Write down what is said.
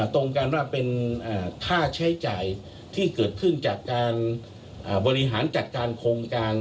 ตรงกันว่าเป็นค่าใช้จ่ายที่เกิดขึ้นจากการบริหารจัดการโครงการ